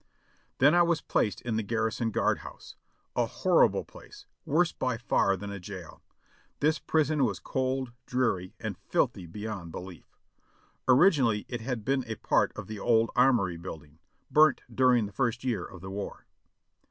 Then I was placed in the garrison guard house, a horrible place, worse by far than a jail. This prison was cold, dreary and filthy beyond belief. Originally it had been a part of the old Armory building, burnt during the first year of the war.